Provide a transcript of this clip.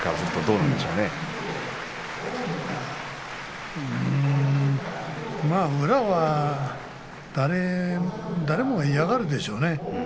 うーんまあ宇良は誰もが嫌がるでしょうね。